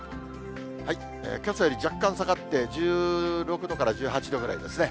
けさより若干下がって、１６度から１８度ぐらいですね。